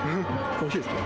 おいしいですか？